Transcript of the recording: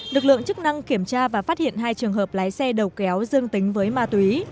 lực lượng chức năng kiểm tra và phát hiện hai trường hợp lái xe đầu kéo dương tính với ma túy